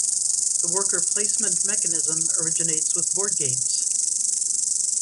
The worker placement mechanism originates with board games.